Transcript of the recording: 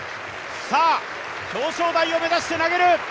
さあ、表彰台を目指して投げる